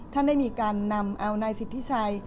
ท่านได้มีการนำเอานายสิทธิชัย